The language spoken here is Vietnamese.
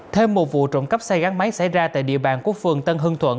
thêm một vụ trộm cắp xe gắn máy xảy ra tại địa bàn quốc phường tân hưng thuận